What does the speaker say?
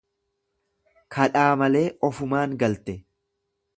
Kadhaa malee ofumaan galte.